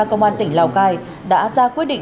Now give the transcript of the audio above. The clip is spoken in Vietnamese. công an tỉnh lào cai đã ra quyết định